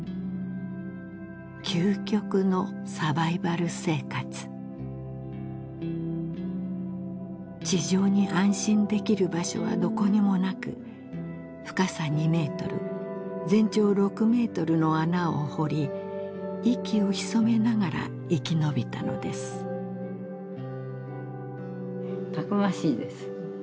究極のサバイバル生活地上に安心できる場所はどこにもなく深さ２メートル全長６メートルの穴を掘り息を潜めながら生き延びたのですたくましいです